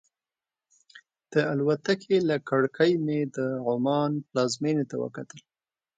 د الوتکې له کړکۍ مې د عمان پلازمېنې ته وکتل.